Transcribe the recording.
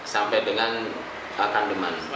sampai dengan kandeman